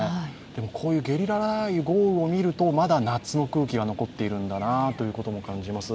こういうゲリラ豪雨を見ると、まだ夏の空気が残っているんだなということも感じます。